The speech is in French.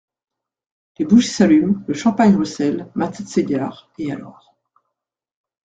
Les bougies s’allument, le champagne ruisselle, ma tête s’égare, et alors…